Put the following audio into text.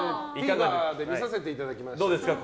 ＴＶｅｒで見させていただきました。